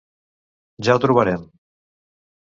Ja ho trobarem!